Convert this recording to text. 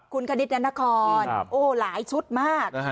คุณคณิตแนน่าคอนโอ้หลายชุดมาก